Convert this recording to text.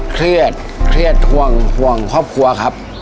เครียดเครียดห่วงห่วงครอบครัวครับ